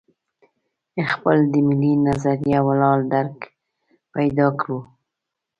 خپل د ملي نظریه ولاړ درک پیدا کړو.